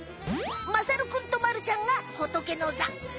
まさるくんとまるちゃんがホトケノザ。